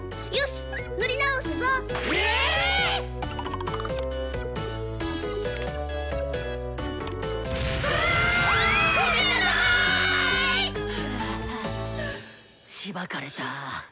しばかれた。